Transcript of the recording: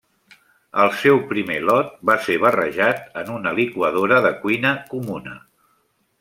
El seu primer lot va ser barrejat en una liquadora de cuina comuna.